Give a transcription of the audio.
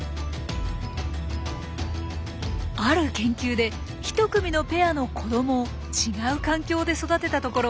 ある研究で１組のペアの子どもを違う環境で育てたところ